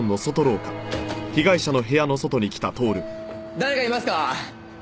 誰かいますか？